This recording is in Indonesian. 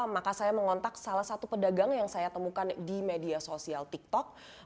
maka saya mengontak salah satu pedagang yang saya temukan di media sosial tiktok